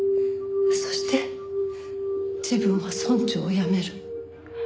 そして自分は村長を辞める。